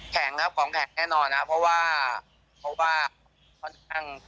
แข็งครับของแข็งแน่นอนนะครับเพราะว่าพ้นทั่ง